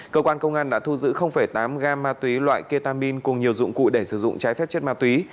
cơ quan công an đã thu giữ tám gam ma túy loại ketamin cùng nhiều dụng cụ để sử dụng trái phép chất ma túy